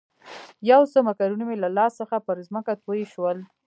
یو څه مکروني مې له لاس څخه پر مځکه توی شول.